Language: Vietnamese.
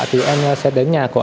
thì em sẽ đến nhà của anh